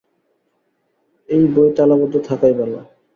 এই বই তালাবন্ধ থাকাই ভালো।